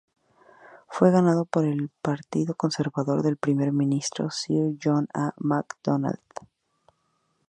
Fue ganado por el Partido Conservador del Primer Ministro Sir John A. Macdonald.